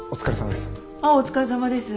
お疲れさまです。